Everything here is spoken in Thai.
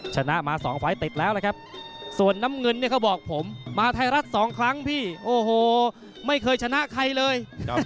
ชนะมา๒ไฟล์ติดแล้วนะครับส่วนน้ำเงินเนี่ยเขาบอกผมมาไทยรัฐสองครั้งพี่โอ้โหไม่เคยชนะใครเลย